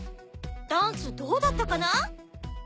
ダンスどうだったかな？